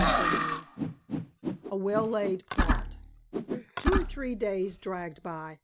CHAPTER XXVI. A WELL LAID PLOT. Two or three days dragged by.